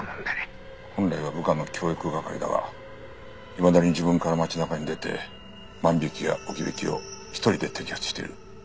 本来は部下の教育係だがいまだに自分から町中に出て万引きや置き引きを一人で摘発している。